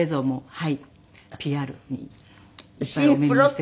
はい。